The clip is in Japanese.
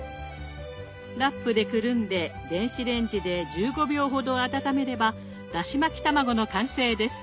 ラップでくるんで電子レンジで１５秒ほど温めればだし巻き卵の完成です。